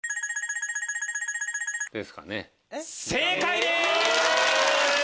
正解です！